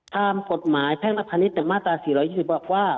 ตามกฎหมายแพ่งลักษณิชย์แต่มาตรา๔๒๐บอกว่า